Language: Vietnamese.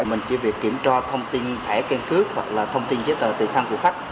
mình chỉ việc kiểm tra thông tin thẻ khen cước hoặc là thông tin chế tờ tùy thăng của khách